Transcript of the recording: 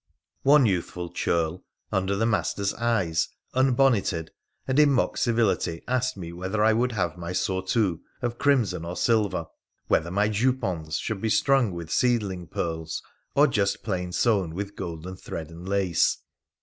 One youthful churl, under the master's eyes, unbonneted, and in mock civility asked me whether I would have my surtout of crimson or silver — whether my jupons should be strung with seedling pearls, or just plain sewn with golden thread and lace.